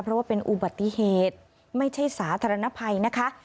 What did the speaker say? เพราะว่าเป็นอุบัติเหตุไม่ใช่สาธารณภัยนะคะ